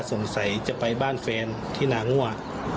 สงสัยจะไปบ้านแฟนที่นางั่ว